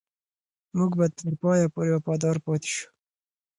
موږ به تر پایه پورې وفادار پاتې شو.